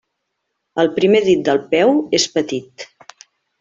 El primer dit del peu és petit.